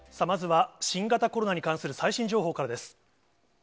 まずは、新型コロナに関する最新情報からです。